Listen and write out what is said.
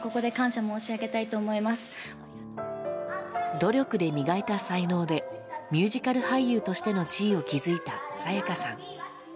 努力で磨いた才能でミュージカル俳優としての地位を築いた沙也加さん。